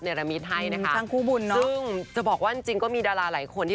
แล้วก็อิสเบลก็ใส่โชภาไปด้วย